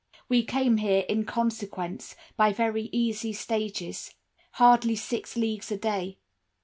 We came here, in consequence, by very easy stages—hardly six leagues a day.